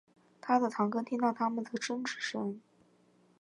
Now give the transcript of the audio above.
他的堂哥听到他们的争执声